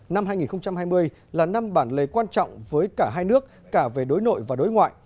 năm hai nghìn hai mươi là năm bản lề quan trọng với cả hai nước cả về đối nội và đối ngoại